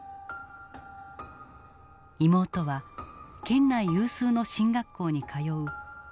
妹は県内有数の進学校に通う高校生だった。